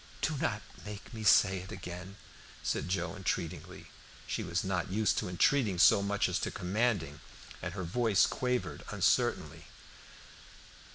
"Do not make me say it again," said Joe, entreatingly. She was not used to entreating so much as to commanding, and her voice quavered uncertainly.